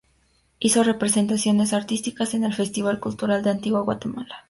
Hizo representaciones artísticas en el Festival Cultural de Antigua Guatemala.